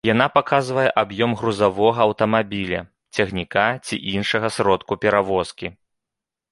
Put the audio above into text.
Яна паказвае аб'ём грузавога аўтамабіля, цягніка ці іншага сродку перавозкі.